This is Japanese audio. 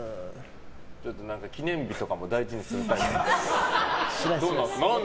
記念日とかも大事にするタイプ？しないです。